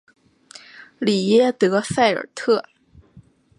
里耶德塞尔特。